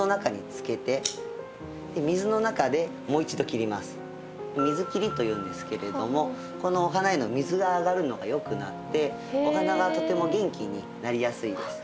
次は「水切り」というんですけれどもこのお花への水が上がるのがよくなってお花がとても元気になりやすいです。